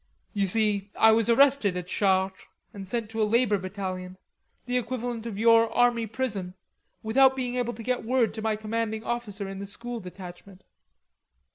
"You see, I was arrested at Chartres and sent to a labor battalion, the equivalent for your army prison, without being able to get word to my commanding officer in the School Detachment...."